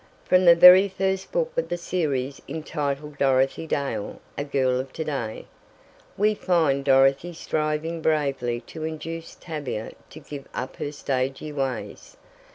From the very first book of the series entitled "Dorothy Dale, a Girl of To day," we find Dorothy striving bravely to induce Tavia to give up her stagey ways.